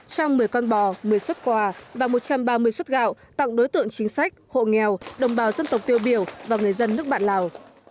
trao một mươi con bò một mươi xuất quà và một trăm ba mươi suất gạo tặng đối tượng chính sách hộ nghèo đồng bào dân tộc tiêu biểu và người dân nước bạn lào